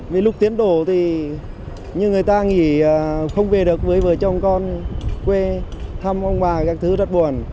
vì lúc tiến đổ thì như người ta nghỉ không về được với vợ chồng con quê thăm ông bà các thứ rất buồn